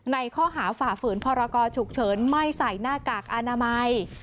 ข้อหาฝ่าฝืนพรกรฉุกเฉินไม่ใส่หน้ากากอนามัย